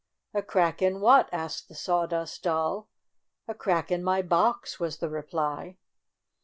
"A crack in what?" asked the Sawdust Doll. "A crack in my box," was the reply.